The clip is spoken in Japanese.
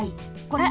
これ。